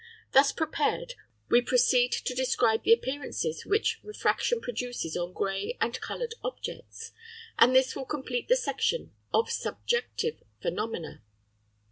Thus prepared, we proceed to describe the appearances which refraction produces on grey and coloured objects, and this will complete the section of subjective phenomena.